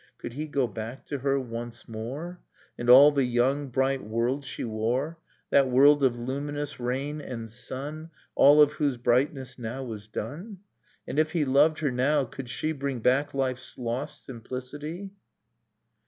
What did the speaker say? . Could he go back to her once more, — And all the young bright world she wore, That world of luminous rain and sun. All of whose brightness now was done? And, if he loved her now, could she Bring back Hfe's lost simplicity?